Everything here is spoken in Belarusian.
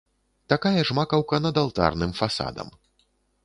Такая ж макаўка над алтарным фасадам.